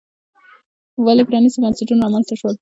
ولې پرانیستي بنسټونه رامنځته شول.